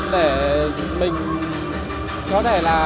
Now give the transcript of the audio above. để mình có thể là